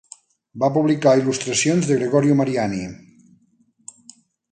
Va publicar il·lustracions de Gregorio Mariani.